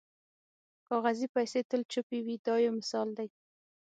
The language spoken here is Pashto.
کاغذي پیسې تل چوپې وي دا یو مثال دی.